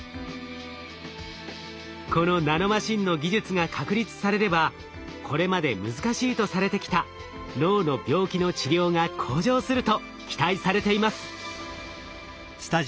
このナノマシンの技術が確立されればこれまで難しいとされてきた脳の病気の治療が向上すると期待されています。